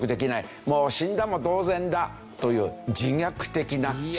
もう死んだも同然だという自虐的な写真を撮る。